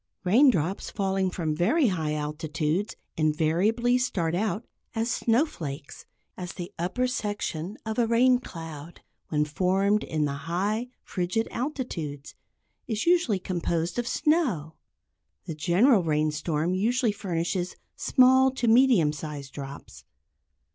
Raindrops falling from very high altitudes invariably start out as snowflakes, as the upper section of a rain cloud, when formed in the high frigid altitudes, is usually composed of snow. The general rain storm usually furnishes small to medium sized drops.